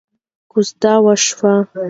کوژده وشوه.